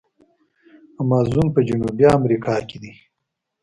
امازون په جنوبي امریکا کې دی.